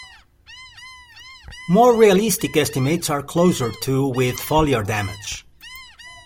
More realistic estimates are closer to with foliar damage.